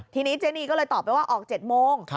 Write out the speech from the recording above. ทีนี้เจนีก็เลยตอบไปว่าออก๗โมง